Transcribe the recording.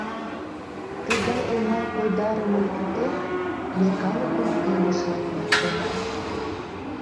Тыгай оҥай койдарымым кӱтен, ме калыкым илышлан туныктена.